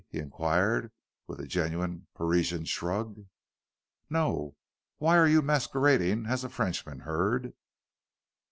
he inquired, with a genuine Parisian shrug. "No. Why are you masquerading as a Frenchman, Hurd?"